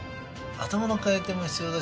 頭の回転も必要だ